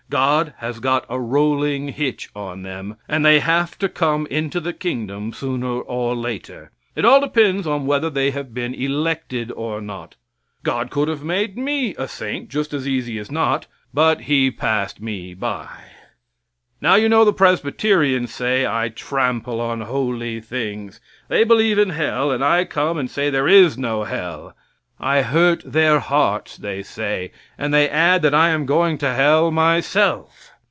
God has got a rolling hitch on them, and they have to come into the kingdom sooner or later. It all depends on whether they have been elected or not. God could have made me a saint just as easy as not, but He passed me by. Now you know the Presbyterians say I trample on holy things. They believe in hell and I come and say there is no hell. I hurt their hearts, they say, and they add that I am going to hell myself.